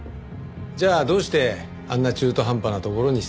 じゃあどうしてあんな中途半端な所に捨てたのか。